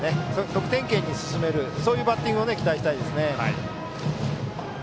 得点圏に進めるバッティングを期待したいです。